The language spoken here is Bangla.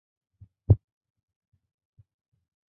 তাকে জিজ্ঞাসা করুন।